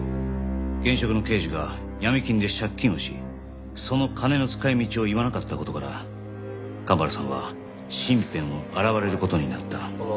現職の刑事が闇金で借金をしその金の使い道を言わなかった事から神原さんは身辺を洗われる事になった。